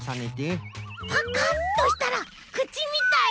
パカッとしたらくちみたい。